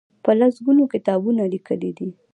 په لس ګونو کتابونه لیکلي دي.